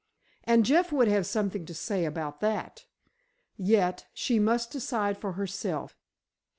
And Jeff would have something to say about that! Yet, she must decide for herself.